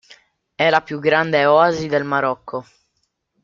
È la più grande oasi del Marocco.